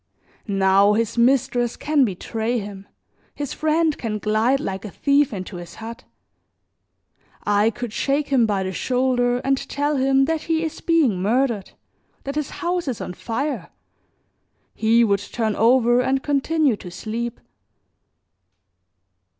Now his mistress can betray him, his friend can glide like a thief into his hut; I could shake him by the shoulder and tell him that he is being murdered, that his house is on fire; he would turn over and continue to sleep.